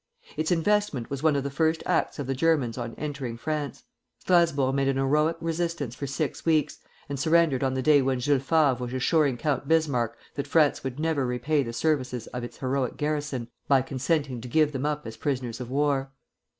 Its investment was one of the first acts of the Germans on entering France. Strasburg made an heroic resistance for six weeks, and surrendered on the day when Jules Favre was assuring Count Bismarck that France would never repay the services of its heroic garrison by consenting to give them up as prisoners of war.